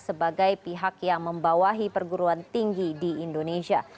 sebagai pihak yang membawahi perguruan tinggi di indonesia